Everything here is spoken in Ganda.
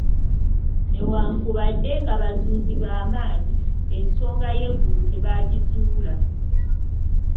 Newankubadde nga bazuuzi ba maanyi, ensonga y'eggulu tebaagizuula.